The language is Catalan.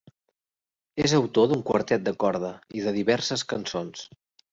És autor d'un quartet de corda i de diverses cançons.